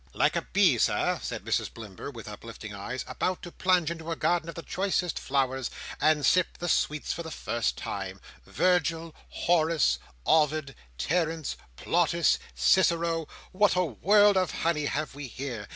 "Like a bee, Sir," said Mrs Blimber, with uplifted eyes, "about to plunge into a garden of the choicest flowers, and sip the sweets for the first time Virgil, Horace, Ovid, Terence, Plautus, Cicero. What a world of honey have we here.